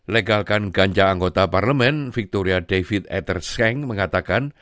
legalkan ganja anggota parlemen victoria david ethersheng mengatakan